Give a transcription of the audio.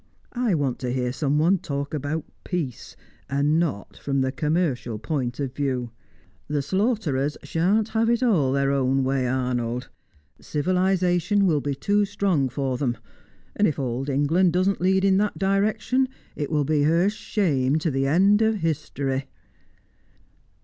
I want to hear someone talk about Peace and not from the commercial point of view. The slaughterers shan't have it all their own way, Arnold; civilisation will be too strong for them, and if Old England doesn't lead in that direction, it will be her shame to the end of history."